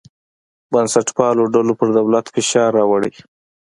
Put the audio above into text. بنسټپالو ډلو پر دولت فشار راوړی.